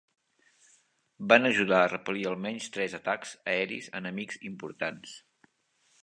Van ajudar a repel·lir almenys tres atacs aeris enemics importants.